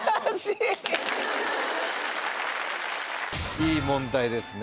いい問題ですね。